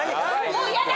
もうやだ！